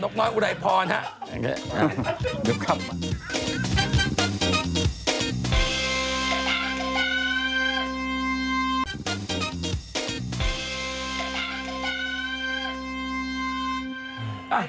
น้องน้อยอุลายพรฮะ